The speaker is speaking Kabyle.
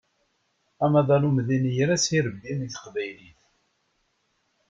Amaḍal umḍin iger-as arebbi i teqbaylit.